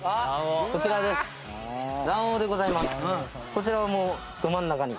こちらはもうど真ん中に。